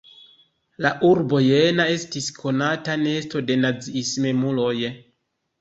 La urbo Jena estis konata nesto de naziismemuloj.